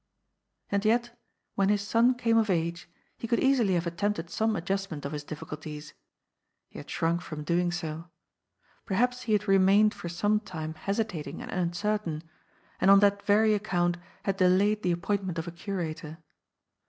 And yet, when his son came of age, he conld easily have attempted some adjustment of his difficulties. He had shrunk from doing so. Perhaps he had remained for some time hesitating and uncertain, and on that yery account had delayed the appointment of a curator.